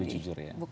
bisa lebih jujur ya